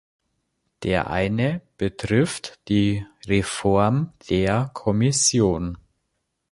Der eine betrifft die Reform der Kommission.